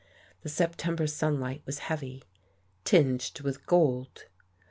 The September sunlight was heavy, tinged with gold....